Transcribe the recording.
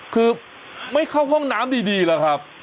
คือไม่เข้าห้องน้ำดีหรอกครับ